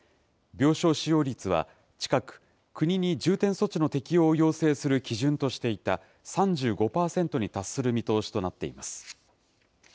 病床使用率は、近く、国に重点措置の適用を要請する基準としていた３５％に達する見通しとなっています。